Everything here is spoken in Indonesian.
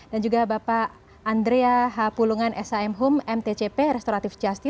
dan juga bapak andrea h pulungan shm hum mtcp restoratif justice